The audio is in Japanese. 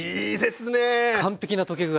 完璧な溶け具合。